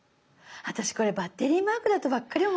私これバッテリーマークだとばっかり思ってた。